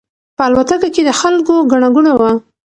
په الوتکه کې د خلکو ګڼه ګوڼه وه.